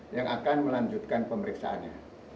yang akan melanjutkan pemeriksaannya